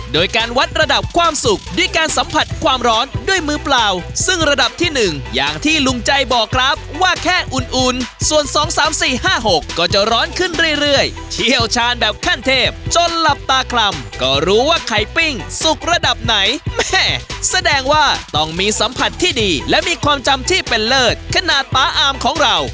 โดยการวัดระดับความสุขด้วยการสัมผัสความร้อนด้วยมือเปล่าซึ่งระดับที่หนึ่งอย่างที่ลุงใจบอกครับว่าแค่อุ่นอุ่นส่วน๒๓๔๕๖ก็จะร้อนขึ้นเรื่อยเชี่ยวชาญแบบขั้นเทพจนหลับตาคลำก็รู้ว่าไข่ปิ้งสุกระดับไหนแม่แสดงว่าต้องมีสัมผัสที่ดีและมีความจำที่เป็นเลิศขนาดป๊าอามของเรา